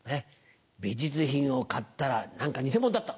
美術品を買ったら何か偽物だった。